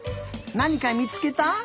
なにかみつけた？